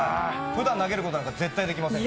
ふだん投げることなんて絶対できません。